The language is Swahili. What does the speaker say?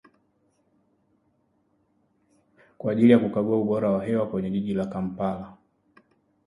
Kwa ajili ya kukagua ubora wa hewa kwenye jiji la Kampala